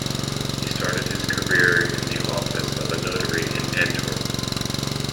He started his career in the office of a notary in Antwerp.